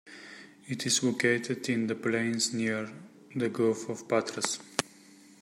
It is located in the plains near the Gulf of Patras.